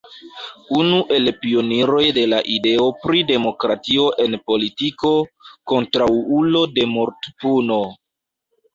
Unu el pioniroj de la ideo pri demokratio en politiko, kontraŭulo de mortpuno.